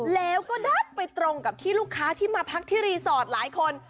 แล้วก็ดันไปตรงกับที่ลูกค้าที่มาพักที่รีสอร์ทหลายคน